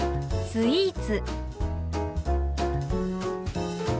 「スイーツ」。